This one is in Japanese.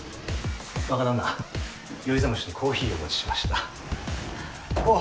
若旦那酔い覚ましにコーヒーお持ちしましたおっ